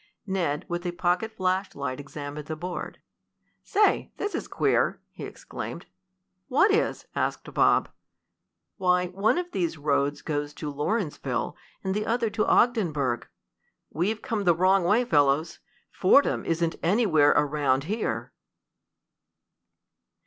Ned, with a pocket flashlight, examined the board. "Say, this is queer!" he exclaimed. "What is?" asked Bob. "Why, one of these roads goes to Lawrenceville and the other to Ogdenburg. We've come the wrong way, fellows. Fordham isn't anywhere around here!"